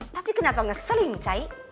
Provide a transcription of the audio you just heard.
tapi kenapa ngeselin cai